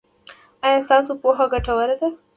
ایا ستاسو پوهه ګټوره ده؟